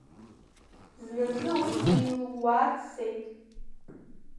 Зназы уи днеилууаа дцеит.